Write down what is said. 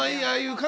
はい。